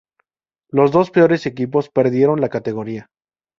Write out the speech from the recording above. Los dos peores equipos perdieron la categoría.